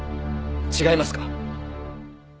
違いますか？